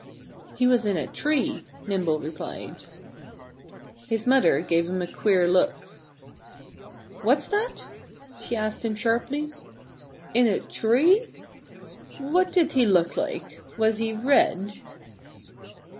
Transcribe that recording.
"He was in a tree," Nimble replied. His mother gave him a queer look. "What's that?" she asked him sharply. "In a tree? What did he look like? Was he red?"